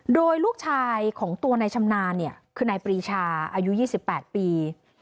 โดยลูกชายของตัวนายชำนาญคือนายปรีชาอายุ๒๘ปี